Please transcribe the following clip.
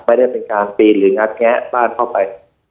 ไม่ได้เป็นการปีนหรืองัดแงะบ้านเข้าไป